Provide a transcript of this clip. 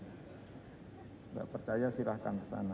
tidak percaya silahkan ke sana